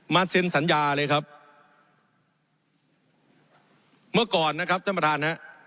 เซ็นสัญญาเลยครับเมื่อก่อนนะครับท่านประธานฮะ